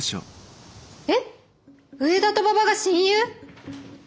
えっ上田と馬場が親友！？